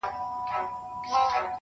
د توري شپې سره خوبونه هېرولاى نه ســم~